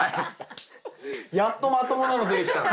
やっとまともなの出てきたな。